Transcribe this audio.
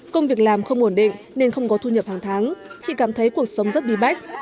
công việc làm không ổn định nên không có thu nhập hàng tháng chị cảm thấy cuộc sống rất bí bách